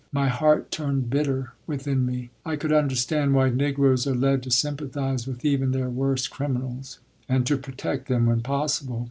My heart turned bitter within me. I could understand why Negroes are led to sympathize with even their worst criminals and to protect them when possible.